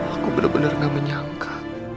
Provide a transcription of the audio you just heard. aku bener bener gak menyangka